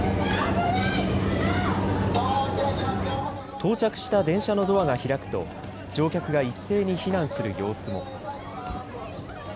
到着した電車のドアが開くと乗客が一斉に避難する様子も。